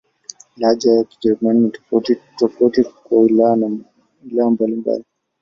Lahaja za Kijerumani ni tofauti-tofauti katika wilaya mbalimbali.